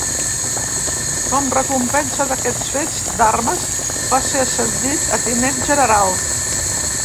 Com recompensa d'aquests fets d'armes va ser ascendit a tinent general.